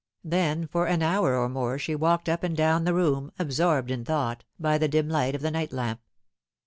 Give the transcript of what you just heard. Then for an hour or more she walked up and down the room, absorbed in thought, by the dim light of the night lamp.